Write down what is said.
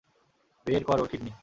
বের কর ওর কিডনি।